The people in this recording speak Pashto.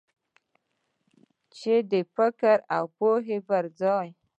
چې د فکر او پوهې پر ځای.